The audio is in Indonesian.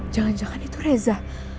jangan jangan itu reza